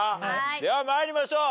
では参りましょう。